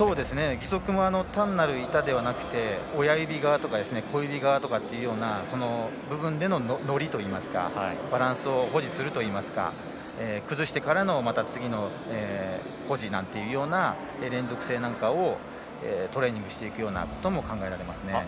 義足も単なる板ではなくて親指側とか小指側というような部分でのノリといいますかバランスを保持するというか崩してから次の保持なんていうような連続性なんかをトレーニングしていくことも考えられます。